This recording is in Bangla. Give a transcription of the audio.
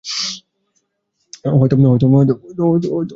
হয়তো তাই ও আসেনি।